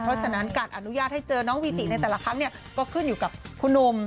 เพราะฉะนั้นการอนุญาตให้เจอน้องวีจิในแต่ละครั้งเนี่ยก็ขึ้นอยู่กับคุณหนุ่ม